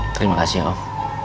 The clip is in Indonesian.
terima kasih om